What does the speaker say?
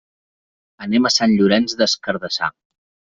Anem a Sant Llorenç des Cardassar.